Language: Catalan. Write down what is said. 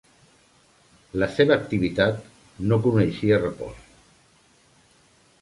La seva activitat no coneixia repòs.